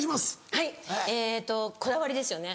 はいこだわりですよね。